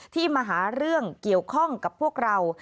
ที่มาหาเรื่องเกี่ยวข้องกับพวกเรา